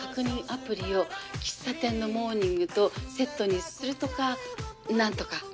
アプリを喫茶店のモーニングとセットにするとか何とか。